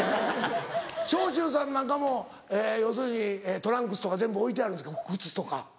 長州さんなんかも要するにトランクスとか全部置いてあるんですか靴とか。